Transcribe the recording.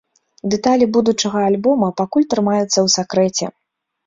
Дэталі будучага альбома пакуль трымаюць у сакрэце.